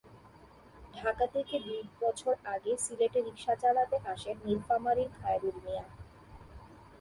ঢাকা থেকে দুই বছর আগে সিলেটে রিকশা চালাতে আসেন নীলফামারীর খায়রুল মিয়া।